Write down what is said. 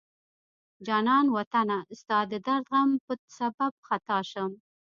جانان وطنه ستا د درد غم په سبب خطا شم